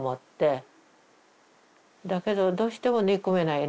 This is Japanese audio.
だけどどうしても憎めないね。